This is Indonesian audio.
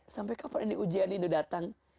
sampai kapan ini ujian ini datang